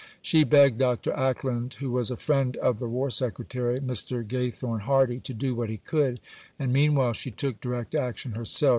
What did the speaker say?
She begged Dr. Acland, who was a friend of the War Secretary (Mr. Gathorne Hardy), to do what he could; and meanwhile she took direct action herself.